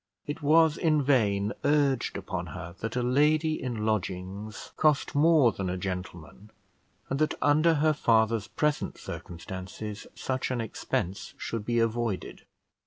It was in vain urged upon her, that a lady in lodgings cost more than a gentleman; and that, under her father's present circumstances, such an expense should be avoided.